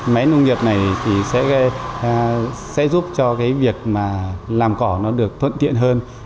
máy nông nghiệp này thì sẽ giúp cho cái việc mà làm cỏ nó được thuận tiện hơn